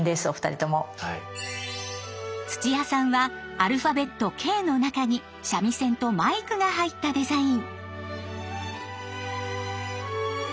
土屋さんはアルファベット「Ｋ」の中に三味線とマイクが入ったデザイン。